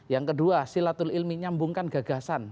yang kedua silatul ilmi nyambungkan gagasan